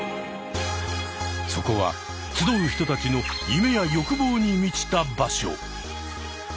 そこは集う人たちの夢や欲望に満ちた場所。